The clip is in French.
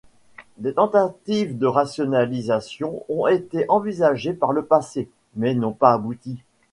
Des tentatives de rationalisation ont été envisagées par le passé, mais n'ont pas abouti.